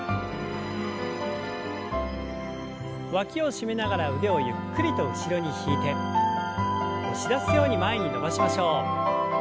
わきを締めながら腕をゆっくりと後ろに引いて押し出すように前に伸ばしましょう。